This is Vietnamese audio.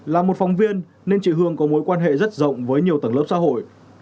là một phóng viên nên chị hương có mối quan hệ rất rộng với nhiều tầng lớp xã hội